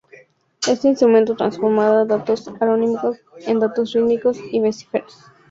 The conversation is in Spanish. Este instrumento transforma datos armónicos en datos rítmicos y viceversa.